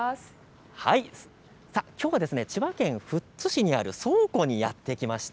きょうは千葉県富津市にある倉庫にやって来ました。